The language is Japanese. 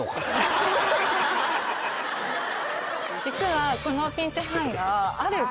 実は。